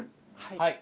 はい。